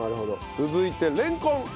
続いてレンコン。